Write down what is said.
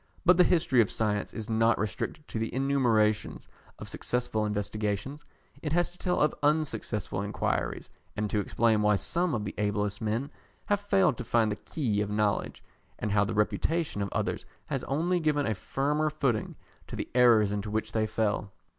But the history of science is not restricted to the enumeration of successful investigations. It has to tell of unsuccessful inquiries, and to explain why some of the ablest men have failed to find the key of knowledge, and how the reputation of others has only given a firmer footing to the errors into which they fell.